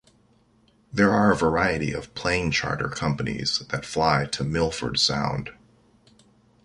There are a variety of plane charter companies that fly to Milford Sound.